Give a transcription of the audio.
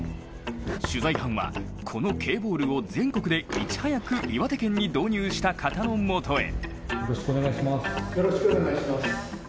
取材班は、このＫボールを全国でいち早く導入した方の元へ。